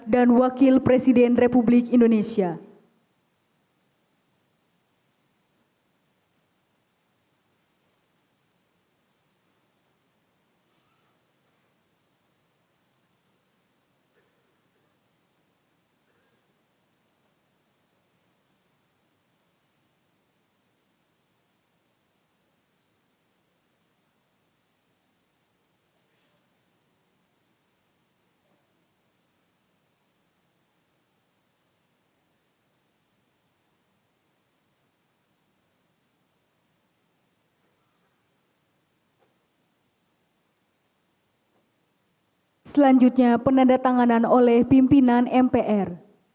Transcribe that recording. dan wakil presiden republik indonesia serta pimpinan mpr